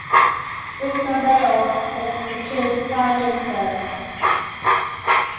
Micombero then became Prime Minister.